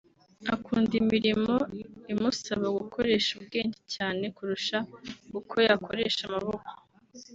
Akunda imirimo imusaba gukoresha ubwenge cyane kurusha uko yakoresha amaboko